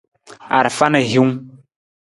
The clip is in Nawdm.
Arafa na hiwung.